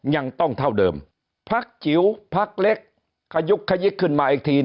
ยังต้องเท่าเดิมพักจิ๋วพักเล็กขยุกขยิกขึ้นมาอีกที